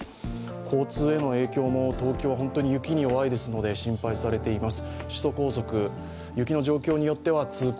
交通への影響も、東京は本当に雪に弱いですので、心配されています。